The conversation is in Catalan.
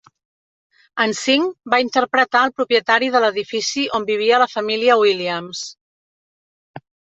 En cinc, va interpretar el propietari de l'edifici on vivia la família Williams.